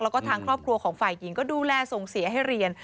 แล้วก็ทางครอบครัวของฝ่ายหญิงก็ดูแลส่งเสียให้เรียน